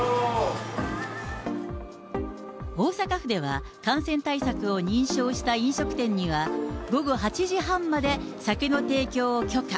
大阪府では、感染対策を認証した飲食店には午後８時半まで酒の提供を許可。